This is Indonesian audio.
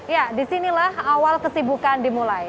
ya disinilah awal kesibukan dimulai